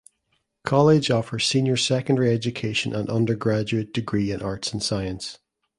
College offers Senior secondary education and Undergraduate degree in Arts and Science.